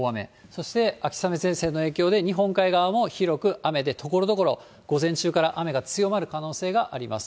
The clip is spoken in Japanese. そして秋雨前線の影響で日本海側も広く雨で、ところどころ午前中から雨が強まる可能性があります。